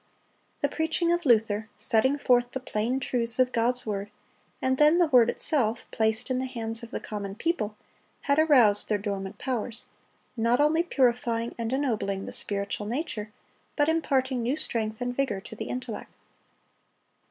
The preaching of Luther, setting forth the plain truths of God's word, and then the word itself, placed in the hands of the common people, had aroused their dormant powers, not only purifying and ennobling the spiritual nature, but imparting new strength and vigor to the intellect.